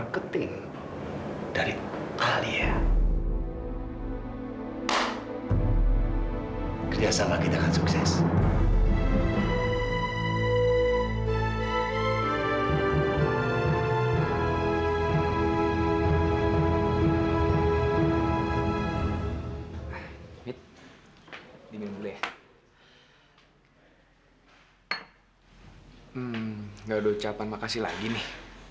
gak ada ucapan makasih lagi nih